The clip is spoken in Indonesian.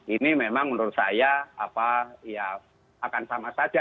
ini memang menurut saya akan sama saja